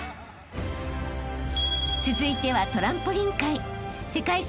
［続いてはトランポリン界］